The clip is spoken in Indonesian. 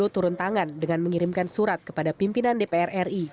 pertama pansus angket pelindo ii mengirimkan surat kepada pimpinan dpr ri